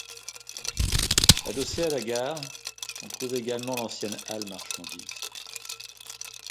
Adossée à la gare, on trouve également l'ancienne halle marchandises.